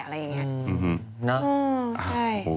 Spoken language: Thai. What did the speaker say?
อะไรอย่างนี้